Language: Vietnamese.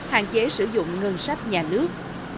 hạn chế sử dụng ngân sách nhà nước